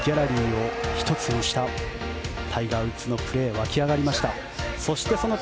大ギャラリーを一つにしたタイガー・ウッズのプレーに湧き上がりました。